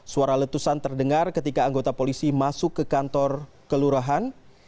suara letusan terdengar ketika anggota polisi masuk ke kantor kelurahan